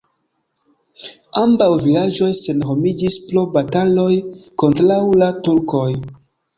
Ambaŭ vilaĝoj senhomiĝis pro bataloj kontraŭ la turkoj.